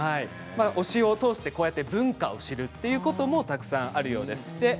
推しを通して文化を知るということもたくさんあるそうです。